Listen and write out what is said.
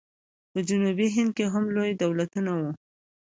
په جنوبي هند کې هم لوی دولتونه وو.